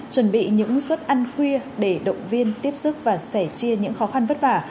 chuẩn bị những suất ăn khuya để động viên tiếp sức và sẻ chia những khó khăn vất vả